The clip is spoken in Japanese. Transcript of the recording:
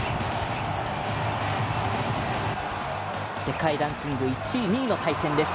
世界ランキング１位、２位の対戦。